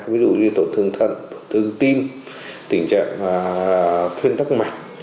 ví dụ như tổn thương thận tổn thương tim tình trạng thuyên tắc mạch